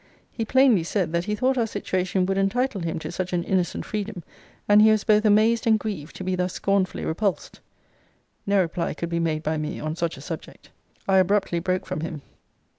He plainly said, that he thought our situation would entitle him to such an innocent freedom: and he was both amazed and grieved to be thus scornfully repulsed. No reply could be made be me on such a subject. I abruptly broke from him.